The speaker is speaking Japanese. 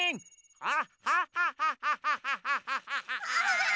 あっ！